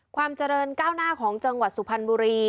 ความเจริญก้าวหน้าของจังหวัดสุพรรณบุรี